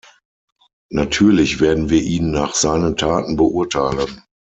Natürlich werden wir ihn nach seinen Taten beurteilen.